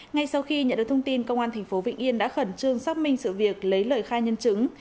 ngay sau khi nhận được thông tin công an tp vĩnh yên đã khẩn trương xác minh sự việc lấy lời khai nhân chứng